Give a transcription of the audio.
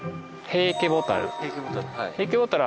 ヘイケボタル。